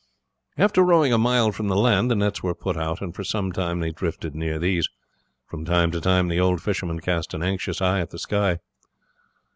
After rowing a mile from land the nets were put out, and for some time they drifted near these. From time to time the old fisherman cast an anxious eye at the sky.